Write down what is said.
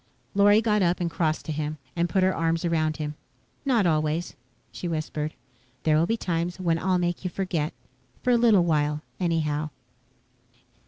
Lorry got up and crossed to him and put her arms around him. "Not always," she whispered. "There will be times when I'll make you forget. For a little while, anyhow."